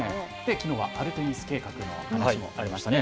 きのうはアルテミス計画の話題もありましたね。